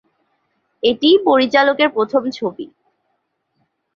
এটিই পরিচালকের প্রথম ছবি।